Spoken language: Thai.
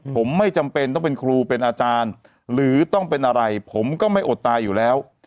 ผมไม่จำเป็นต้องเป็นครูเป็นอาจารย์หรือต้องเป็นอะไรผมก็ไม่อดตายอยู่แล้ว